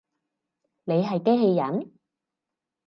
你係機器人？